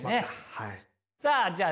さあじゃあ